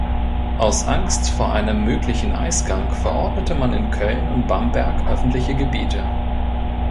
Aus Angst vor einem möglichen Eisgang verordnete man in Köln und Bamberg öffentliche Gebete.